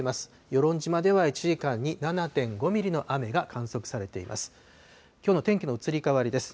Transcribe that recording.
与論島では１時間に７．５ミリの雨が観測されています。